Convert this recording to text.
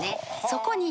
そこに。